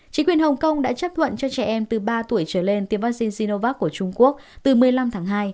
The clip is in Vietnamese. chính quyền hồng kông đã chấp thuận cho trẻ em từ ba tuổi trở lên tiêm vaccine zinovac của trung quốc từ một mươi năm tháng hai